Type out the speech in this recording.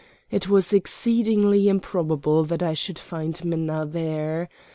It was exceedingly improbable that I should find Minna there.